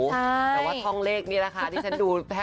แต่ว่าท่องเลขนี่แหละค่ะ